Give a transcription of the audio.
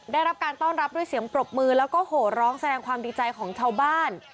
ได้รับการต้อนรับด้วยเสียงปรบมือแล้วก็โหร้องแสดงความดีใจของชาวบ้าน